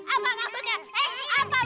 apa lu susah menjubur